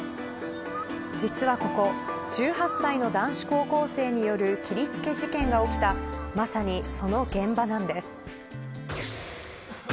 実はここ１８歳の男子高校生による切り付け事件が起きたまさに、その現場なんです。